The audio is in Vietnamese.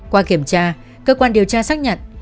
qua kiểm tra cơ quan điều tra xác nhận